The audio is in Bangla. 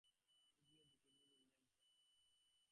কীভাবে জানব তোমরাও তার মতো বিশ্বাসঘাতকতা করবে না?